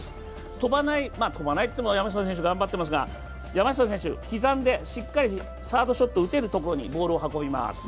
飛ばない、飛ばないといっても山下選手、頑張っていますが、山下選手、刻んで、しっかりサードショットを打てるところにボールを運びます。